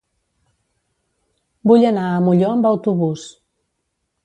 Vull anar a Molló amb autobús.